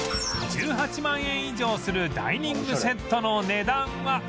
１８万円以上するダイニングセットの値段は